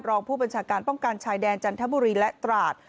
รองผู้บัญชาการป้องกันชายแดนจันทบุรีและตราด